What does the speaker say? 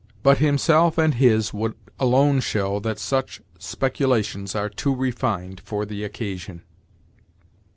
But 'himself' and 'his' would alone show that such speculations are too refined for the occasion.